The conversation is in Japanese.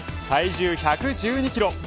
体重１１２キロ